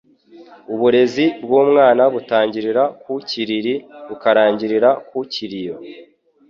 Uburezi bw’umwana butangirira ku kiriri bukarangirira ku kiriyo